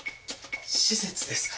施設ですか？